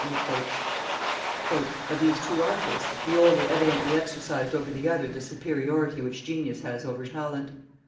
[Illustration: Lebrun 674] "Of these two artists, the older evidently exercised over the other the superiority which genius has over talent.